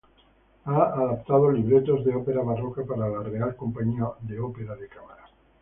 Ha adaptado libretos de ópera barroca para la Real Compañía Ópera de Cámara.